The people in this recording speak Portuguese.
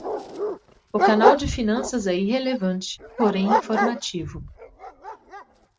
O canal de finanças é irrelevante, porém informativo